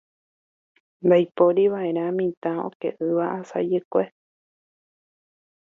Ndaiporiva'erã mitã oke'ỹva asajekue.